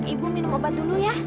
ibu minum obat dulu ya